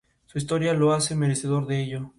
Él hizo varios videos musicales para Belinda.